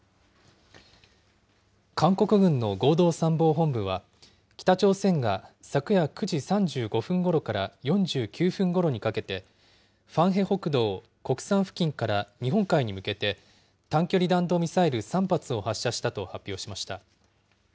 韓国軍の合同参謀本部は北朝鮮が昨夜９時３５分ごろから４９分ごろにかけて、ファンヘ北道コクサン付近から日本海に向けて、短距離弾道ミサイル３発を発射したと発表しました。